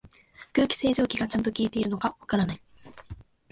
空気清浄機がちゃんと効いてるのかわからない